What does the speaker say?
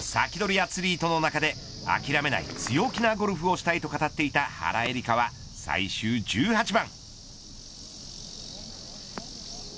アツリートの中で諦めない、強気なゴルフをしたいと語っていた原英莉花は最終１８番。